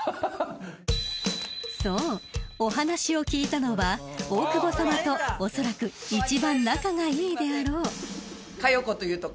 お話を聞いたのは大久保さまとおそらく一番仲がいいであろう］